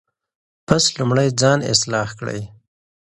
پس لومړی ځان اصلاح کړئ.